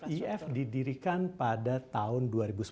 oke iif didirikan pada tahun dua ribu sepuluh